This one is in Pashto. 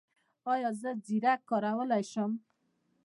ایا زه زیره کارولی شم؟